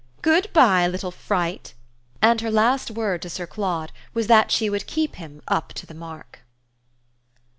Good bye, little fright!" And her last word to Sir Claude was that she would keep him up to the mark.